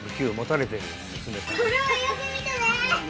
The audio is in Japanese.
これをよく見てね！